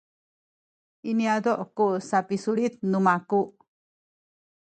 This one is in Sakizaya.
iniyu ku sapisulit nu maku